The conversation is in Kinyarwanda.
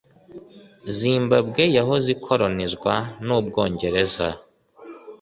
Zimbabwe yahoze ikolonizwa n'Ubwongereza.